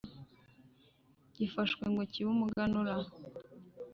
gifashwe ngo kibe umuganura